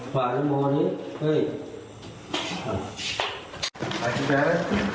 ฝ่ายน้องมันนี่เฮ้ย